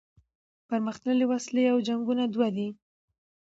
پرمختللي وسلې او جنګونه دوه دي.